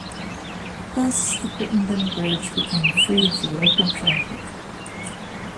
Thus the Crittenden Bridge became free for local traffic.